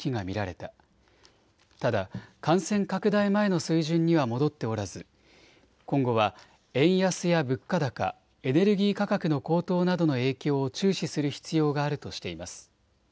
ただ感染拡大前の水準には戻っておらず、今後は円安や物価高、エネルギー価格の高騰などの影響を注視する必要があるとしています。